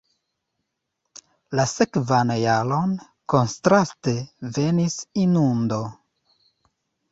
La sekvan jaron, kontraste, venis inundo.